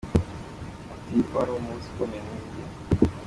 Ati “Wari umunsi ukomeye kuri njye.